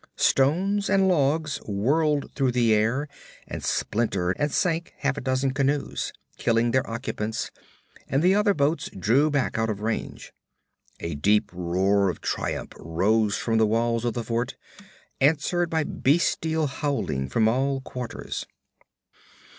Stones and logs whirled through the air and splintered and sank half a dozen canoes, killing their occupants, and the other boats drew back out of range. A deep roar of triumph rose from the walls of the fort, answered by bestial howling from all quarters.